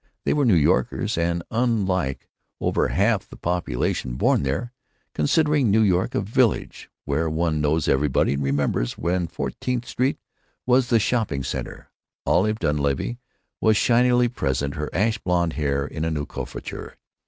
They were New Yorkers and, unlike over half of the population, born there, considering New York a village where one knows everybody and remembers when Fourteenth Street was the shopping center. Olive Dunleavy was shinily present, her ash blond hair in a new coiffure.